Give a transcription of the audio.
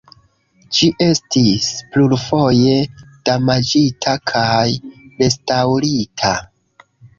Ĝi estis plurfoje damaĝita kaj restaŭrita.